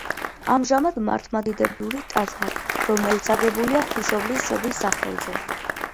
ამჟამად მართლმადიდებლური ტაძარი, რომელიც აგებულია ღვთისმშობლის შობის სახელზე.